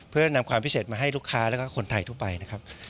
เพื่อนำความพิเศษมาให้ลูกค้าแล้วก็คนไทยทั่วไปนะครับ